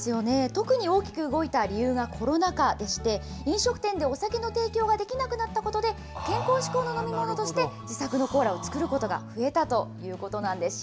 特に大きく動いた理由がコロナ禍でして、飲食店でお酒の提供ができなくなったことで、健康志向の飲み物として、自作のコーラを作ることが増えたということなんです。